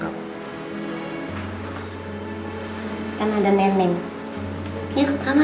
udah beres ya